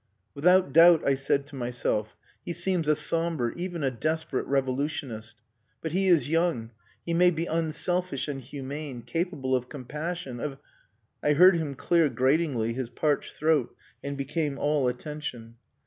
"Without doubt," I said to myself, "he seems a sombre, even a desperate revolutionist; but he is young, he may be unselfish and humane, capable of compassion, of...." I heard him clear gratingly his parched throat, and became all attention.